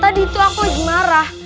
tadi itu aku lagi marah